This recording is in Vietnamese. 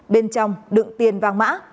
bên trong đựng tiền vàng mã